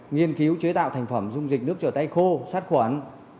nghiên cứu chế tạo thành phẩm dung dịch nước rửa tay khô sát khuẩn